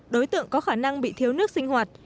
đối tượng có khả năng bị thiếu nước sinh hoạt